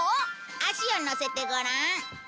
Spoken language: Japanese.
足を乗せてごらん。